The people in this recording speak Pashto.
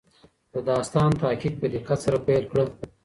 د داستان تحقیق په دقت سره پیل کړه.